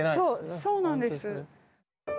そうなんです。